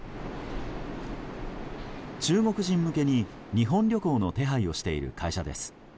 中国人向けに日本旅行の手配をしている会社です。